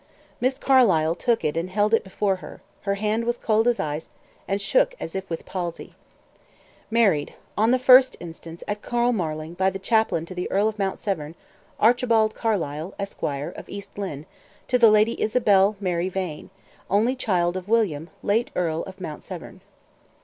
Miss Carlyle took it and held it before her: her hand was cold as ice, and shook as if with palsy. "MARRIED. On the 1st inst., at Castle Marling, by the chaplain to the Earl of Mount Severn, Archibald Carlyle, Esquire, of East Lynne, to the Lady Isabel Mary Vane, only child of William, late Earl of Mount Severn."